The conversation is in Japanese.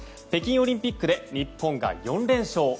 北京オリンピックで日本が４連勝。